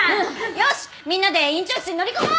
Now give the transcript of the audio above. よしみんなで院長室に乗り込もう！